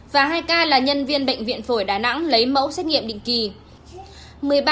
và hai ca là nhân viên bệnh viện phổi đà nẵng lấy mẫu xét nghiệm định kỳ